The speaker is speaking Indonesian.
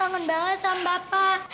kangen banget sama bapak